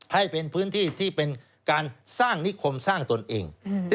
ให้เป็นพื้นที่ที่เป็นการสร้างนิคมสร้างตนเอง